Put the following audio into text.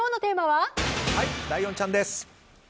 はい、ライオンちゃんです。